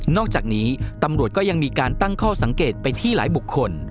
อกจากนี้ตำรวจก็ยังมีการตั้งข้อสังเกตไปที่หลายบุคคล